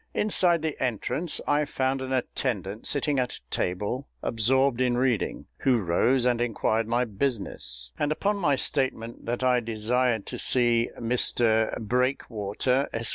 Inside the entrance I found an attendant sitting at a table absorbed in reading, who rose and inquired my business, and upon my statement that I desired to see Mr BREAKWATER, Esq.